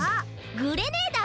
グレねえだ！